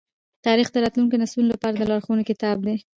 تاریخ د راتلونکو نسلونو لپاره د لارښوونې کتاب دی.